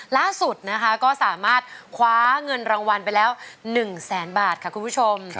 ล่าสุดนะคะก็สามารถคว้าเงินรางวัลไปแล้ว๑แสนบาทค่ะคุณผู้ชม